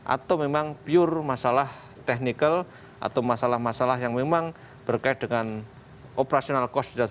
atau memang pure masalah technical atau masalah masalah yang memang berkait dengan operasional cost